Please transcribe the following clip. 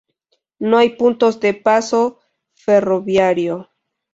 No hay puntos de paso ferroviario.